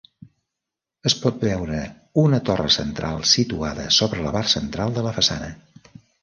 Es pot veure una torre central situada sobre la part central de la façana.